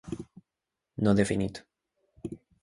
no definit